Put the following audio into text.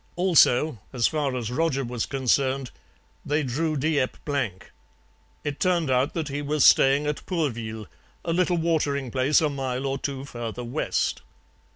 Also, as far as Roger was concerned, they drew Dieppe blank; it turned out that he was staying at Pourville, a little watering place a mile or two further west.